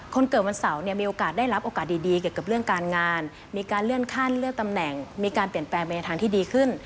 คนเกิดวันเสาร์เนี่ยมีโอกาสได้รับโอกาสดีเกี่ยวกับเรื่องการงานมีการเลื่อนขั้นเลื่อนตำแหน่งมีการเปลี่ยนแปลงไปในทางที่ดีขึ้น